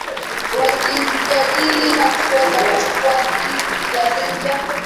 wakijadili hatua za kuchukua dhidi ya libya